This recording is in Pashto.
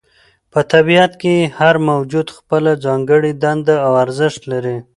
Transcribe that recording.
په طبیعت کې هر موجود خپله ځانګړې دنده او ارزښت لري.